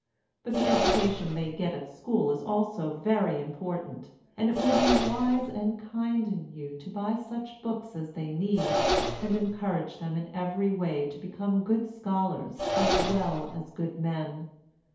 But the education they get at school is also very important; and it will be wise and kind in you to buy such books as they need, and encourage them in every way to become good scholars, as well as good men.